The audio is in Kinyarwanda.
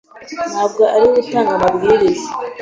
ntabwo ariwe utanga amabwiriza.